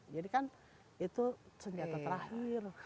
jadi kan itu senjata terakhir